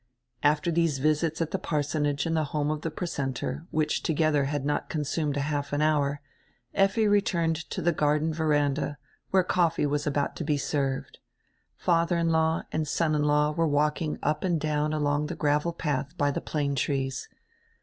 After diese visits at die parsonage and die home of die precentor, which togedier had not consumed half an hour, Effi returned to die garden veranda, where coffee was about to be served. Fadier in law and son in law were walking up and down along the gravel padi by die plane trees.